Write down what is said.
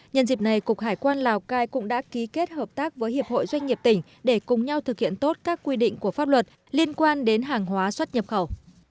nhân dịp này cục hải quan lào cai cũng đã ký kết hợp tác với hiệp hội doanh nghiệp tỉnh để cùng nhau thực hiện tốt các quy định của pháp luật liên quan đến hàng hóa xuất nhập khẩu